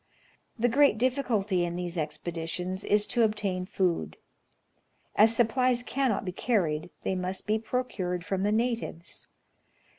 The great difficulty in these expeditions is to obtain food. As supplies cannot be carried, they must be procured from the natives.